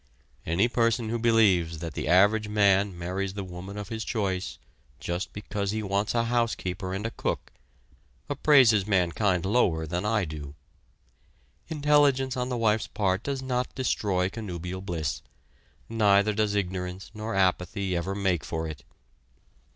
Any person who believes that the average man marries the woman of his choice just because he wants a housekeeper and a cook, appraises mankind lower than I do. Intelligence on the wife's part does not destroy connubial bliss, neither does ignorance nor apathy ever make for it.